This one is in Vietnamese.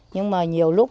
nhưng mà nhiều lúc